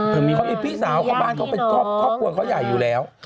เขามีพี่สาวเขาบ้านเขาเป็นครอบครัวเขาใหญ่อยู่แล้ว